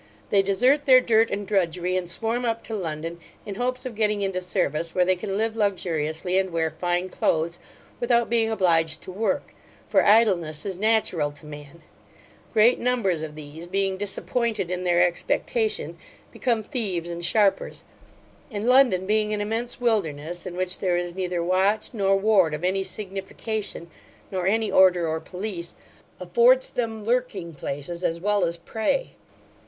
They desert their dirt and drudgery, and swarm up to London, in hopes of getting into service, where they can live luxuriously and wear fine clothes, without being obliged to work; for idleness is natural to man Great numbers of these, being disappointed in their expectation, become thieves and sharpers; and London being an immense wilderness, in which there is neither watch nor ward of any signification, nor any order or police, affords them lurking places as well as prey.